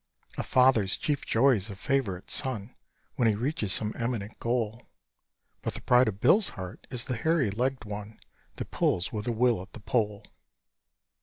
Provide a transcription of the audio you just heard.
A father's chief joy is a favourite son, When he reaches some eminent goal, But the pride of Bill's heart is the hairy legged one That pulls with a will at the pole.